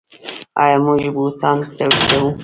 آیا موږ بوټان تولیدوو؟